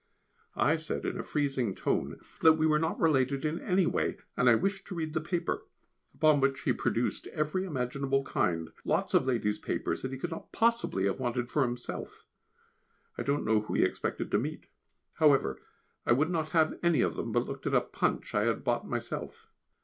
I said in a freezing tone we were not related in any way, and I wished to read the paper, upon which he produced every imaginable kind, lots of ladies' papers that he could not possibly have wanted for himself. I don't know who he expected to meet. However, I would not have any of them, but looked at a Punch I had bought myself.